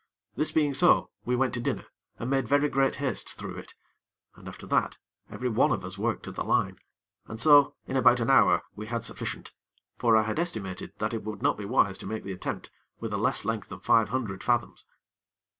This being so, we went to dinner, and made very great haste through it; and, after that, every one of us worked at the line, and so in about an hour we had sufficient; for I had estimated that it would not be wise to make the attempt with a less length than five hundred fathoms.